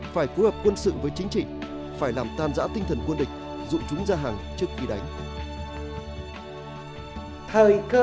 phải phối hợp quân sự với chính trị phải làm tan giã tinh thần quân địch dụ chúng ra hàng trước khi đánh